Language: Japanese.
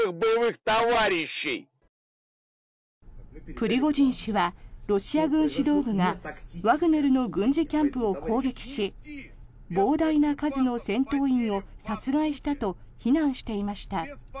プリゴジン氏はロシア軍指導部がワグネルの軍事キャンプを攻撃し膨大な数の戦闘員を殺害したと非難していました。